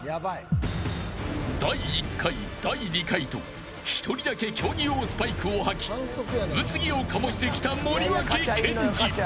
第１回、第２回と１人だけ競技用スパイクを履き物議を醸してきた森脇健児。